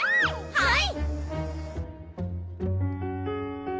はい！